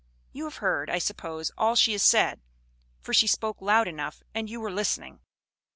You have heard, I suppose, all she said; for she spoke loud enough, and you were listening."